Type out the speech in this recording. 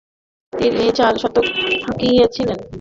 তিনি চার শতক হাঁকিয়েছিলেন।